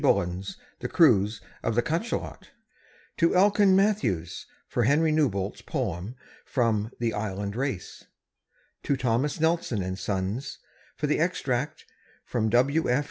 Bullen's "The Cruise of the Cachalot"; to Elkin Mathews for Henry Newbolt's poem from "The Island Race"; to Thomas Nelson & Sons for the extract from W.